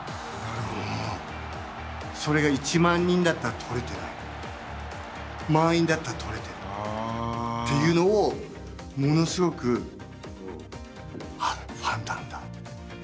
それが１万人だったら捕れてない、満員だったら捕れてるっていうのをものすごくファンなんだと。